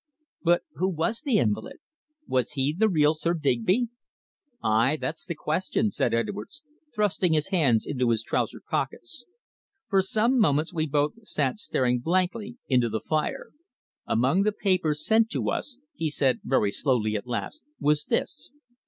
"But who was the invalid? Was he the real Sir Digby?" "Aye, that's the question," said Edwards, thrusting his hands into his trouser pockets. For some moments we both sat staring blankly into the fire. "Among the papers sent to us," he said very slowly at last, "was this.